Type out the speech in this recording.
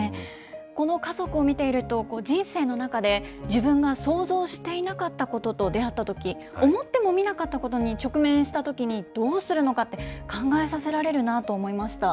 この家族を見ていると、人生の中で自分が想像していなかったことと出会ったとき、思ってもみなかったことに直面したときに、どうするのかって、考えさせられるなって思いました。